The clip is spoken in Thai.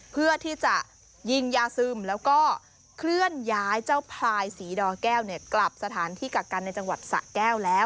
เพื่อที่จะยิงยาซึมแล้วก็เคลื่อนย้ายเจ้าพลายศรีดอแก้วกลับสถานที่กักกันในจังหวัดสะแก้วแล้ว